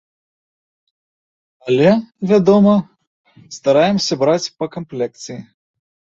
Але, вядома, стараемся браць па камплекцыі.